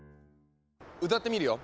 歌ってみるよ。